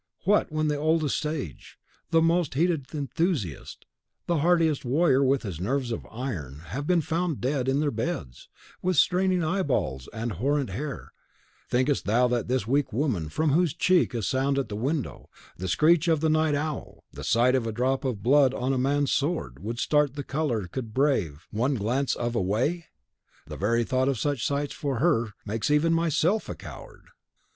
What, when the coldest sage, the most heated enthusiast, the hardiest warrior with his nerves of iron, have been found dead in their beds, with straining eyeballs and horrent hair, at the first step of the Dread Progress, thinkest thou that this weak woman from whose cheek a sound at the window, the screech of the night owl, the sight of a drop of blood on a man's sword, would start the colour could brave one glance of Away! the very thought of such sights for her makes even myself a coward!"